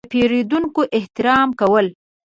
– د پېرودونکو احترام کول.